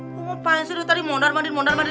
lo mau pancing lo tadi mondar mondar mondar